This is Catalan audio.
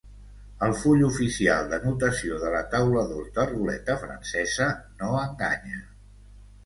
El full oficial d'anotació de la taula dos de ruleta francesa no enganya.